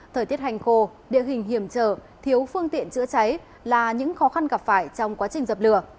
thời tiết hành khô địa hình hiểm trở thiếu phương tiện chữa cháy là những khó khăn gặp phải trong quá trình dập lửa